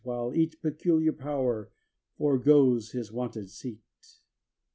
While each peculiar power forgoes his wonted seat.